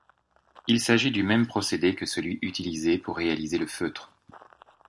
Il s'agit du même procédé que celui utilisé pour réaliser le feutre.